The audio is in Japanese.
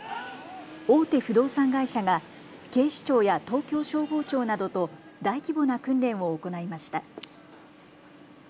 大手不動産会社が警視庁や東京消防庁などと大規模な訓練を行いました。